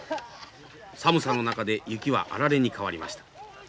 寒さの中で雪はあられに変わりました。